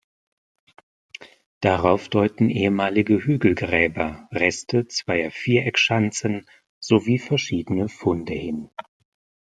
Darauf deuten ehemalige Hügelgräber, Reste zweier Viereckschanzen sowie verschiedene Funde hin.